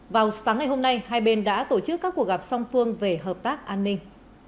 vào sáng ngày hôm nay hai bên đã tổ chức các cuộc gặp song phương về hợp tác an ninh